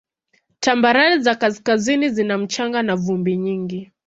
Tambarare za kaskazini zina mchanga na vumbi nyingi.